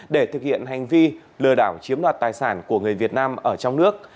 để thực hiện hành vi lừa đảo chiếm đoạt tài sản của người việt nam ở trong nước